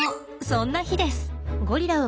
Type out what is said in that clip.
そんな日です。